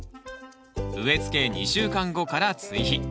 植えつけ２週間後から追肥。